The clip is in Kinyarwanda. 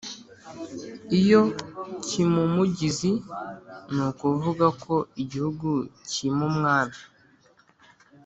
iyo cyimumugizi, ni ukuvuga ko “igihugu cyima umwami